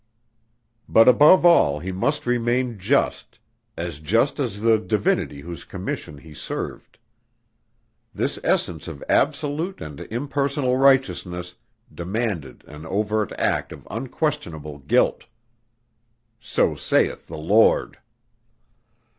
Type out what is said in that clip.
But above all he must remain just as just as the Divinity whose commission he served. This essence of absolute and impersonal righteousness demanded an overt act of unquestionable guilt. "So saith the Lord."